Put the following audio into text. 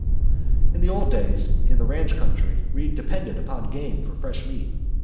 In the old days in the ranch country we depended upon game for fresh meat.